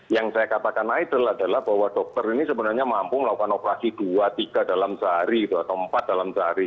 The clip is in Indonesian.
yang saya katakan idol adalah bahwa dokter ini sebenarnya mampu melakukan operasi dua tiga dalam sehari atau empat dalam sehari